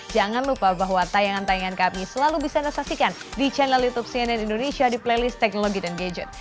jangan lupa bahwa tayangan tayangan kami selalu bisa anda saksikan di channel youtube cnn indonesia di playlist teknologi dan gadget